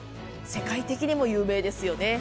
世界的にも有名ですよね。